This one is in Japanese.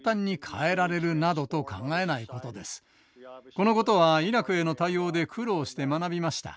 このことはイラクへの対応で苦労して学びました。